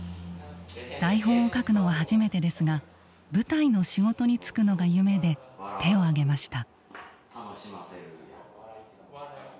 台本を書くのは初めてですが舞台の仕事に就くのが夢で手を挙げました。